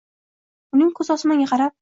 Uning koʻzi osmonga qarab